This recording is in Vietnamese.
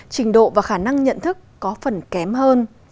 trình độ và khả năng nhận thức có phần kém hơn